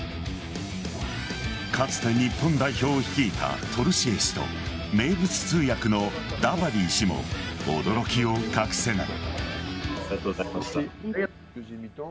かつて日本代表を率いたトルシエ氏と名物通訳のダバディ氏も驚きを隠せない。